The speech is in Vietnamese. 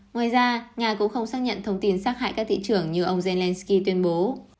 ngoài ra nga cũng không xác nhận thông tin xác hại các thị trưởng như ông zelensky tuyên bố